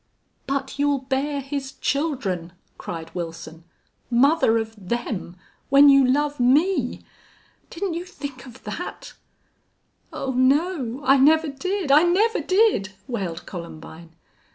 "But you'll bear his children," cried Wilson. "Mother of them when you love me!... Didn't you think of that?" "Oh no I never did I never did!" wailed Columbine.